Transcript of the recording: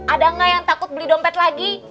ada nggak yang takut beli dompet lagi